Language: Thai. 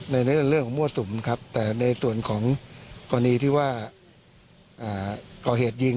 ในเรื่องมั่วสุมแต่ในส่วนของตอนนี้ที่ว่ากัาวเหตุยิง